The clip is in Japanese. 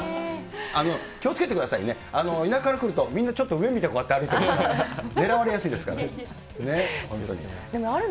気をつけてくださいね、田舎から来ると、みんなちょっと上見て歩いてますから、狙われやすいですから。